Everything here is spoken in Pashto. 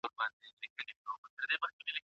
که منځګړي له اصلاح څخه عاجز سي څه کيږي؟